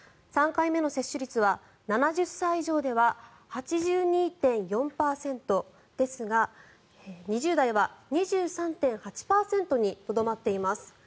３回目の接種率は７０代以上では８２．４％ですが２０代は２３．８％にとどまっています。